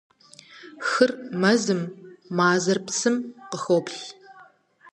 Хыр мэзым, мазэр псым къыхоплъ.